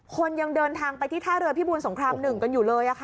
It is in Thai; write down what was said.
คนยังเดินทางไปที่ท่าเรือพิบูรสงคราม๑กันอยู่เลย